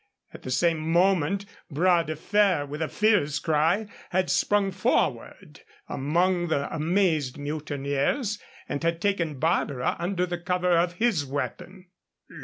At the same moment Bras de Fer, with a fierce cry, had sprung forward among the amazed mutineers and had taken Barbara under the cover of his weapon.